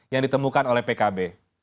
yang ditemukan oleh pkb